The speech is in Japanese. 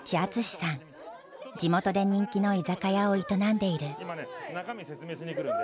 地元で人気の居酒屋を営んでいる。